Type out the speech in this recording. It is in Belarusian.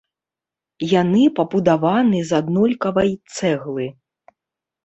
Яны пабудаваны з аднолькавай цэглы.